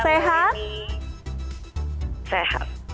selamat malam sehat